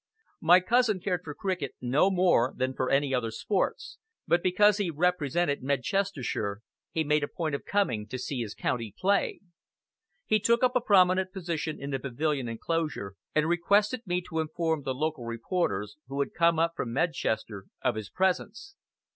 My cousin cared for cricket no more than for any other sports, but because he represented Medchestershire, he made a point of coming to see his County play. He took up a prominent position in the pavilion enclosure, and requested me to inform the local reporters, who had come up from Medchester, of his presence.